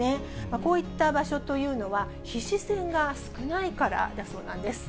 こういった場所というのは、皮脂腺が少ないからだそうなんです。